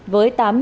với tám nhân dân